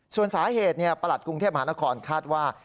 ส่วนสาเหตุประหลัดกรุงเทพมหานครคาดว่า